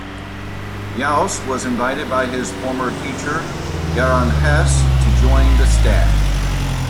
Jauss was invited by his former teacher Gerhard Hess to join the staff.